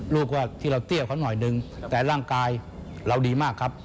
ลูกก็ที่เราเตี้ยเขาหน่อยนึงแต่ร่างกายเราดีมากครับ